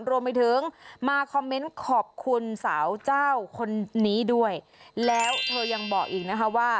รวมไปถึงมาคอมเมนต์ขอบคุณสาวเจ้าคนนี้ด้วยแล้วเธอยังบอกอีกนะคะว่า